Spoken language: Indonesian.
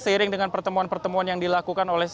seiring dengan pertemuan pertemuan yang dilakukan oleh